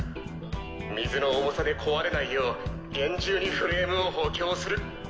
水の重さで壊れないよう厳重にフレームを補強する。